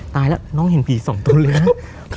ตายแล้วน้องเห็นผีสองตัวเลยนะ